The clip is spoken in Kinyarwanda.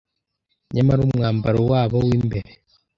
nyamara umwambaro wabo w’imbere